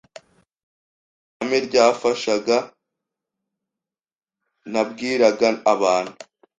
hari ihame ryamfashaga nabwiraga abantu